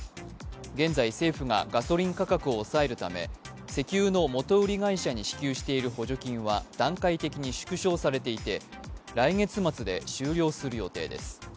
現在、政府がガソリン価格を抑えるため石油の元売り会社に支給している補助金は段階的に縮小されていて来月末で終了する予定です。